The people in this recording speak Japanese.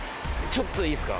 ちょっといいっすか？